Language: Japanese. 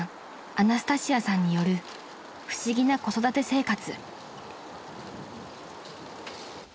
アナスタシアさんによる不思議な子育て生活］